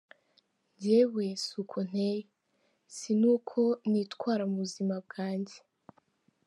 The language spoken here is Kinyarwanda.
Njyewe si uko nteye, si n’uko nitwara mu buzima bwanjye.